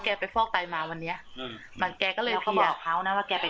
แล้วพ่อมาอ่านข่าวเขาเขียนข่าวแบบนี้